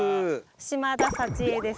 島田幸枝です。